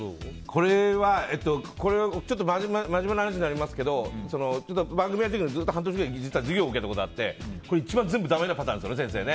これは、ちょっと真面目な話になりますけど番組やってて半年くらい授業受けたことがあって一番全部だめなパターンですよね